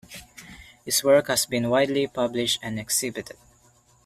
His work has been widely published and exhibited.